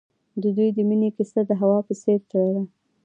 د دوی د مینې کیسه د هوا په څېر تلله.